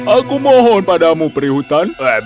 aku mohon padamu prihutan